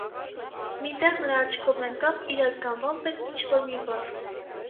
Մի տեղ նրա աչքովն ընկավ իր ազգանվան պես ինչ-որ մի բառ.